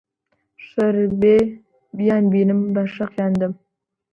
شەرت بێ بیانبینم بەر شەقیان دەم!